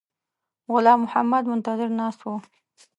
غلام محمد منتظر ناست وو.